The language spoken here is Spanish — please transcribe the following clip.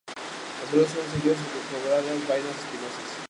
Las flores son seguidas por grandes vainas espinosas.